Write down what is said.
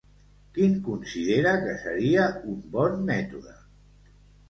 Quin considera que seria un bon mètode?